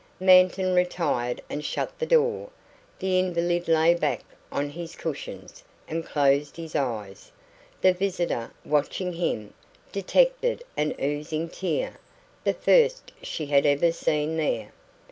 Manton retired and shut the door. The invalid lay back on his cushions, and closed his eyes. The visitor, watching him, detected an oozing tear the first she had ever seen there.